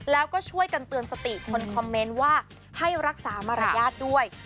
แล้วก็ช่วยกันเตือนสติคนคอมเมนต์ว่าให้รักษามารยาทด้วย